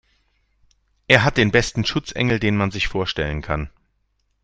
Er hat den besten Schutzengel, den man sich vorstellen kann.